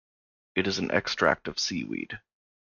It is an extract of seaweed.